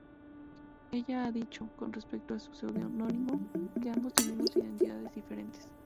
Ella ha dicho, con respecto a su seudónimo, que "ambos tenemos identidades diferentes.